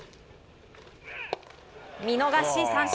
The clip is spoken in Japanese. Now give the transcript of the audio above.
見逃し三振。